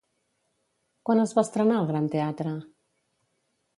Quan es va estrenar el Gran Teatre?